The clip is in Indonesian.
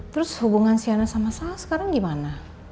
terus hubungan sianya sama sal sekarang gimana